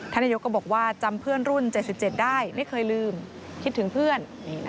นายกก็บอกว่าจำเพื่อนรุ่น๗๗ได้ไม่เคยลืมคิดถึงเพื่อน